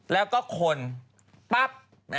แล้วก็คนปั๊บ